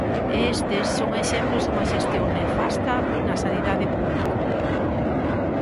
E estes son exemplos dunha xestión nefasta na sanidade pública.